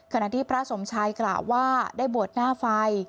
ขณะที่พระสมชัยกล่าวว่าได้บวชหน้าไฟ